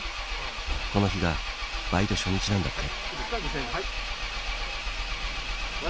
この日がバイト初日なんだって。